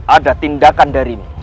ada tindakan darimu